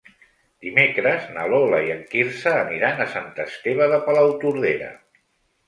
Dimecres na Lola i en Quirze aniran a Sant Esteve de Palautordera.